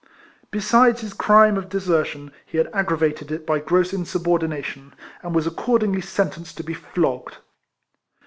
Besides his crime of desertion he had aggravated it by gross insubordination, and he was accordingly sentenced to be flogged.